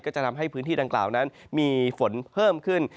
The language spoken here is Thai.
ก็จะทำให้พื้นที่ต่างนั้นมีฝนเพิ่มขึ้น